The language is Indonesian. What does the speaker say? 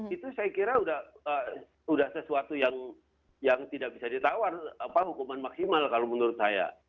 itu saya kira sudah sesuatu yang tidak bisa ditawar hukuman maksimal kalau menurut saya